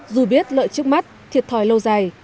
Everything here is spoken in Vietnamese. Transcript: dù biết lợi trước mắt thiệt thòi lâu dài